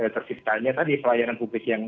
terciptanya tadi pelayanan publik yang